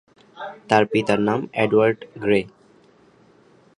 তার পিতার নাম এডওয়ার্ড গ্রে।